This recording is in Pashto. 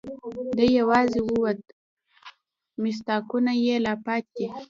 دی یواځي ووت، میثاقونه یې لا پاتې دي